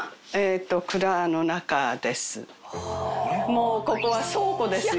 もうここは倉庫ですよ。